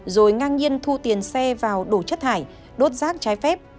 rồi ngang nhiên thu tiền xe vào đổ chất thải đốt rác trái phép